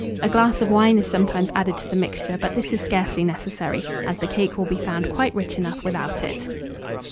A glass of wine is sometimes added to the mixture; but this is scarcely necessary, as the cake will be found quite rich enough without it.